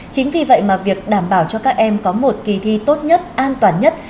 chính vì vậy mà việc đảm bảo cho các em có một kỳ thi tốt nhất an toàn nhất